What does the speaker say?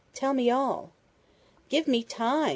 Tell me all!" "Give me time!"